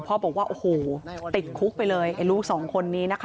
พ่อบอกว่าโอ้คูติดคุกไปเลยลูกหนึ่งสองคนนี้